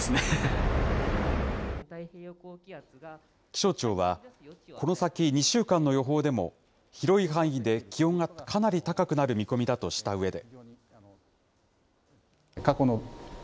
気象庁は、この先２週間の予報でも、広い範囲で気温がかなり高くなる見込みだとしたうえで。